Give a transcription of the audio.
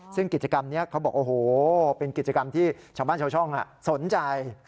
ซึ่งกิจกรรมนี้เขาบอกโอ้โหเป็นกิจกรรมที่ชาวบ้านชาวช่องสนใจ